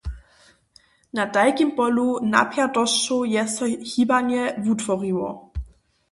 Na tajkim polu napjatosćow je so hibanje wutworiło.